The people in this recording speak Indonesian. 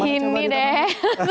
ya gini deh